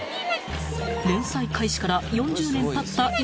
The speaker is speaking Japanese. ［連載開始から４０年たった